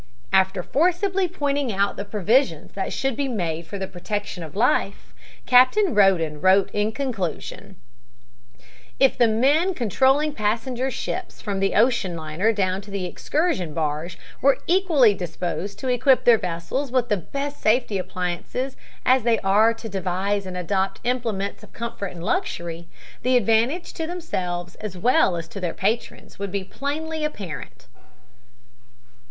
After forcibly pointing out the provisions that should be made for the protection of life, Captain Roden wrote in conclusion: "If the men controlling passenger ships, from the ocean liner down to the excursion barge, were equally disposed to equip their vessels with the best safety appliances as they are to devise and adopt implements of comfort and luxury, the advantage to themselves as well as to their patrons would be plainly apparent."